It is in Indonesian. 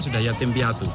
sudah yatim piatu